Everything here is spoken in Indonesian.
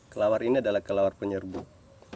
kelelawar ini adalah kelelawar penyerbuk